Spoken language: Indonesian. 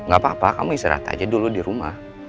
gak apa apa kamu istirahat aja dulu di rumah